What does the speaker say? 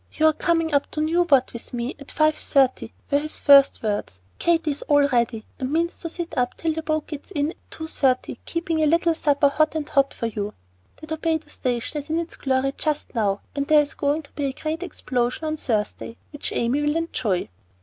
"You're coming up to Newport with me at five thirty," were his first words. "Katy's all ready, and means to sit up till the boat gets in at two thirty, keeping a little supper hot and hot for you. The Torpedo Station is in its glory just now, and there's going to be a great explosion on Thursday, which Amy will enjoy."